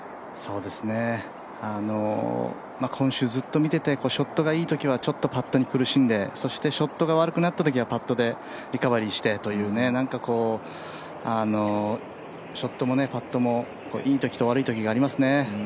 今週ずっと見ててショットがいいときはちょっとパットに苦しんで、そしてショットが悪くなったときはパットでリカバリーしてというなんかショットもパットもいいときと悪いときがありますね。